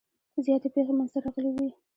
زیاتې پیښې منځته راغلي وي.